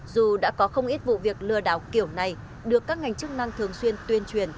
dù đã có không ít vụ việc lừa đảo kiểu này được các ngành chức năng thường xuyên tuyên truyền